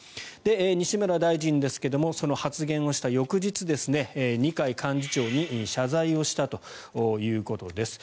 西村大臣ですがその発言をした翌日二階幹事長に謝罪をしたということです。